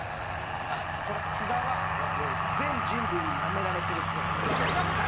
これ、津田は全人類になめられてるっぽい。